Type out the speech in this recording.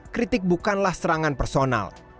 kritik bukanlah serangan personal